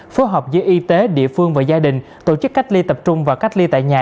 phối hợp với y tế địa phương và gia đình tổ chức cách ly tập trung và cách ly tại nhà